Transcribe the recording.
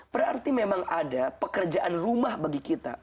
berarti memang ada pekerjaan rumah bagi kita